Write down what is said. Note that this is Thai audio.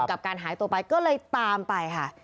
กับการหายตัวไปก็เลยตามไปค่ะ